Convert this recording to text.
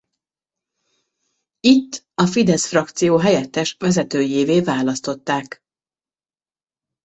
Itt a Fidesz-frakció helyettes vezetőjévé választották.